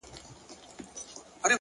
راكيټونو دي پر ما باندي را اوري ـ